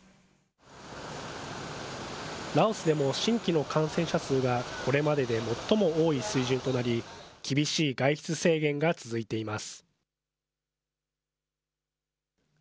ラオスでも新規の感染者数がこれまでで最も多い水準となり、厳しい外出制限が続いています。